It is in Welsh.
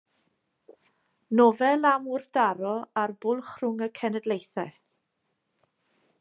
Nofel am wrthdaro a'r bwlch rhwng y cenedlaethau.